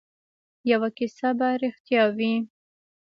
یوه کیسه به ریښتیا وي.